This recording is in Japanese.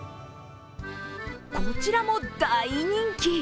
こちらも大人気。